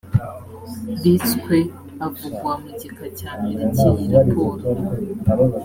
bitswe avugwa mu gika cya mbere cy iyi raporo